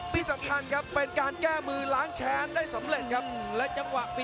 นี่สำคัญครับเป็นการแก้มือล้างแคนได้สำเร็จครับ